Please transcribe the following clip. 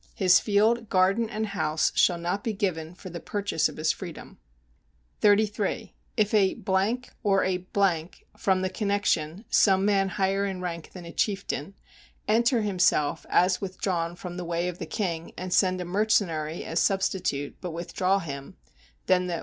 His field, garden and house shall not be given for the purchase of his freedom. 33. If a ... or a ... [from the connection, some man higher in rank than a chieftain] enter himself as withdrawn from the "Way of the King," and send a mercenary as substitute, but withdraw him, then the